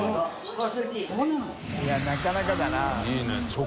いなかなかだな。